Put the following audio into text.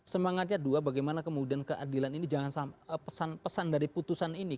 semangatnya dua bagaimana kemudian keadilan ini jangan pesan pesan dari putusan ini